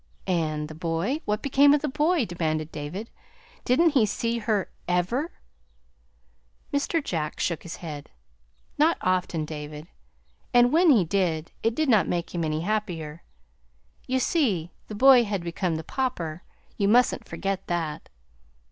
"And the boy? what became of the boy?" demanded David. "Didn't he see her ever?" Mr. Jack shook his head. "Not often, David; and when he did, it did not make him any happier. You see, the boy had become the Pauper; you must n't forget that."